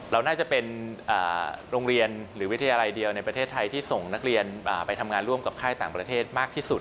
เราน่าจะเป็นโรงเรียนหรือวิทยาลัยเดียวในประเทศไทยที่ส่งนักเรียนไปทำงานร่วมกับค่ายต่างประเทศมากที่สุด